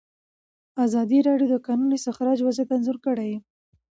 ازادي راډیو د د کانونو استخراج وضعیت انځور کړی.